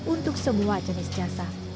untuk semua jenis jasa